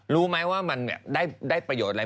รู้ไหมว่ามันได้ประโยชน์อะไร